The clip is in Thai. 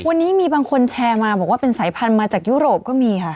วันนี้มีบางคนแชร์มาบอกว่าเป็นสายพันธุ์มาจากยุโรปก็มีค่ะ